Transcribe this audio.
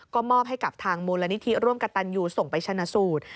ก็มอบให้กับทางมูลนิธิร่วมกับตันยูส่งไปชนะสูตร